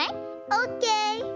オッケー。